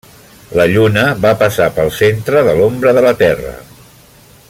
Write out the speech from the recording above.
La Lluna va passar pel centre de l'ombra de la Terra.